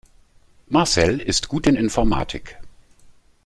Marcel ist gut in Informatik.